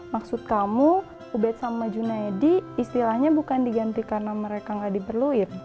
maksud kamu ubed sama junaidi istilahnya bukan diganti karena mereka nggak diperlukan